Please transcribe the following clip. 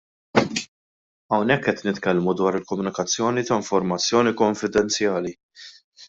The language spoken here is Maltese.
Hawnhekk qed nitkellmu dwar il-komunikazzjoni ta' informazzjoni konfidenzjali.